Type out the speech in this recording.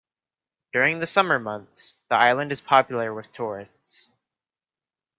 During the summer months, the island is popular with tourists.